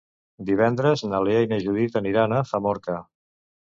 Divendres na Lea i na Judit aniran a Famorca.